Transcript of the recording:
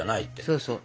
そうそう。